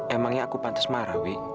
emangnya aku pantas marah wi